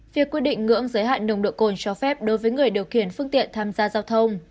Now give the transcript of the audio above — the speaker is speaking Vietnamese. việc quy định ngưỡng giới hạn nồng độ cồn cho phép đối với người điều khiển phương tiện tham gia giao thông